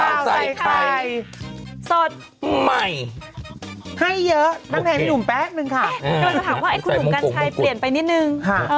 โดยจะถามว่าคุณหนุ่มกันชายเปลี่ยนไปนิดนึง